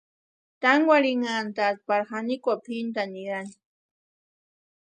Tankwarhinhatʼi pari janikwani pʼintani nirani.